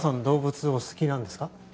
動物お好きなんですか？